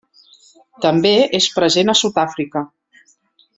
També és present a Sud-àfrica.